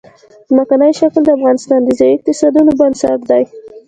ځمکنی شکل د افغانستان د ځایي اقتصادونو بنسټ دی.